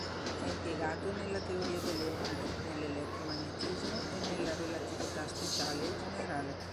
È impiegato nella teoria delle onde, nell'elettromagnetismo e nella relatività speciale e generale.